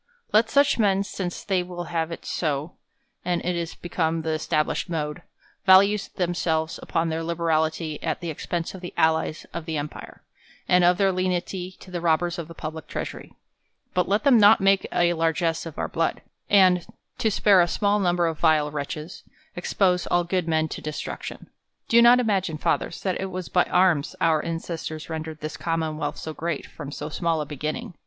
Let such men, since they will have it so, and it is become the established mode, value themselves upon their liberality at the expense of the allies of the em pire, and of their lenity to the robbci s of the public treasury : but let them not make a largess of our blood ; and, to spare a small number of vile wrctclies, expose all good men to destruction. Do not imagine, Fathers, that it was by arms our ancestors rendered this Commonwealth so great, from so small a beginning.